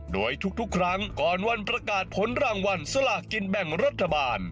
โดยทุกครั้งก่อนวันประกาศผลรางวัลสลากกินแบ่งรัฐบาล